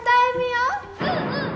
うんうん！